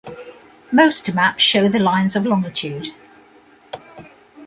Most maps show the lines of longitude.